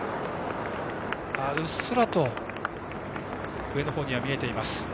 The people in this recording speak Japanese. うっすらと上の方には見えています。